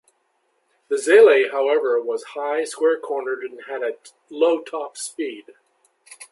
The Zele, however, was high, square cornered and had a low top speed.